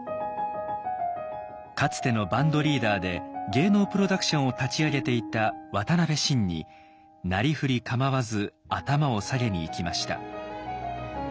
かつてのバンドリーダーで芸能プロダクションを立ち上げていた渡辺晋になりふり構わず頭を下げに行きました。